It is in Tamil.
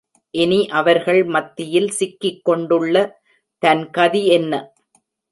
இனி அவர்கள் மத்தியில் சிக்கிக்கொண்டுள்ள தன் கதி என்ன?